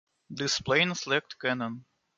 These planes lacked cannon.